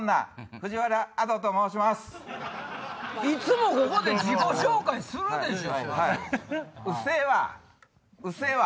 いつもここで自己紹介するでしょうが！